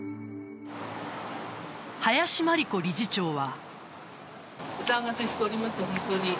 林真理子理事長は。